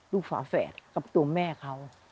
ฝาแฝดกับตัวแม่เขา